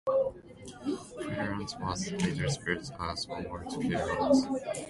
"Fire Lands" was later spelled as one word: "Firelands.